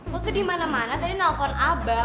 lo tuh dimana mana tadi nelfon abah